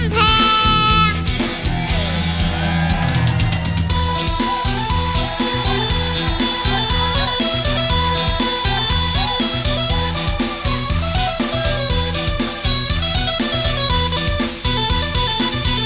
ขอบคุณครับ